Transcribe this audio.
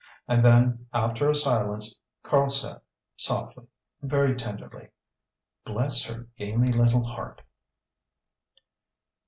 And then, after a silence, Karl said, softly, very tenderly "Bless her gamey little heart!"